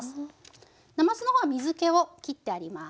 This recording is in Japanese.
なますの方は水けをきってあります。